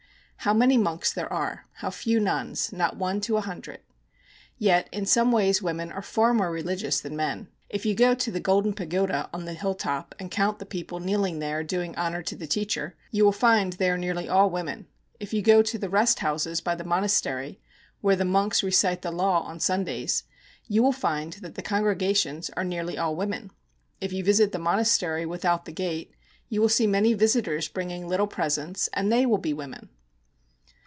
How many monks there are how few nuns! Not one to a hundred. Yet in some ways women are far more religious than men. If you go to the golden pagoda on the hilltop and count the people kneeling there doing honour to the teacher, you will find they are nearly all women. If you go to the rest houses by the monastery, where the monks recite the law on Sundays, you will find that the congregations are nearly all women. If you visit the monastery without the gate, you will see many visitors bringing little presents, and they will be women.